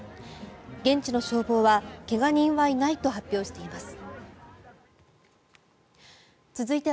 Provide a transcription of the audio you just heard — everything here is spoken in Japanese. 現地の消防は、怪我人はいないと発表しています。